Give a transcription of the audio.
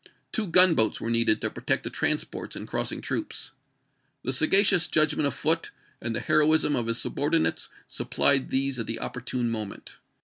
Two gunboats were needed to protect the transports in crossing troops. The sagacious judgment of Foote and the heroism of his subordinates supplied these at the opportune moment.